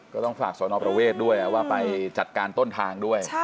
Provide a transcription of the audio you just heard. ก็ต้องฝากสอนอประเวทด้วยว่าไปจัดการต้นทางด้วย